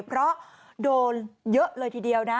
เพราะโดนเยอะเลยทีเดียวนะ